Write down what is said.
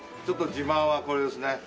ちょっと自慢はこれですね。